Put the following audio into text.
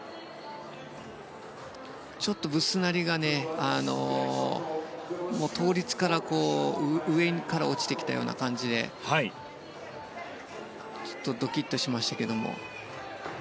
ちょっとブスナリが倒立から上から落ちてきたような感じでドキッとしましたけれども。